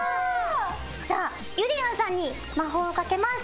じゃあゆりやんさんに魔法をかけます。